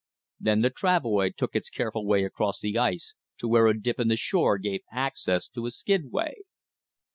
Then the travoy took its careful way across the ice to where a dip in the shore gave access to a skidway.